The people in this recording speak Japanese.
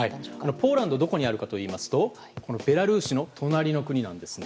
ポーランドはどこにあるかといいますとベラルーシの隣の国なんですね。